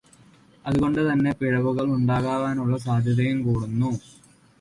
അതുകൊണ്ടു തന്നെ പിഴവുകൾ ഉണ്ടാകുവാനുള്ള സാധ്യതയും കൂടുന്നു.